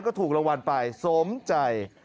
ก็ถูกรางวัลไปสมใจ